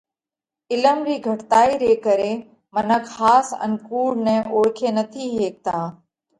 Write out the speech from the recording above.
عِلم رِي گھٽتائِي ري ڪري منک ۿاس ان ڪُوڙ نئہ اوۯکي نٿِي هيڪتا۔